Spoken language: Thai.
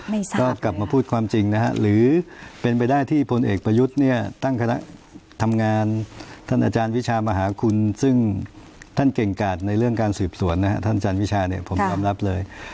ก็กลับมาพูดความจริงนะฮะหรือเป็นไปได้ที่พลเอกประยุทธ์เนี่ยตั้งคณะทำงานท่านอาจารย์วิชามหาคุณซึ่งท่านเก่งกาดในเรื่องการสืบสวนนะฮะท่านอาจารย์วิชาเนี่ยผมยอมรับเลย